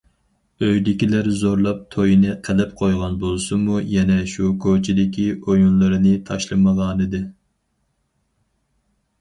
ئۆيدىكىلەر زورلاپ تويىنى قىلىپ قويغان بولسىمۇ، يەنە شۇ كوچىدىكى ئويۇنلىرىنى تاشلىمىغانىدى.